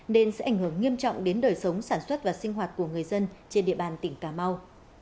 nên sẽ ảnh hưởng nghiêm trọng đến đời sống sản xuất và sinh hoạt của người dân trên địa bàn tỉnh cà mau